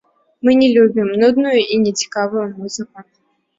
Мы не любім нудную і нецікавую музыку.